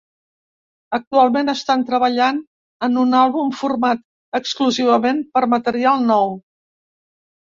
Actualment estan treballant en un àlbum format exclusivament per material nou.